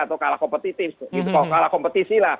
atau kalah kompetitif kalah kompetisi